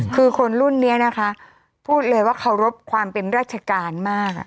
คือคนรุ่นนี้นะคะพูดเลยว่าเคารพความเป็นราชการมาก